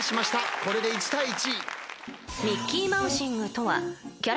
これで１対１。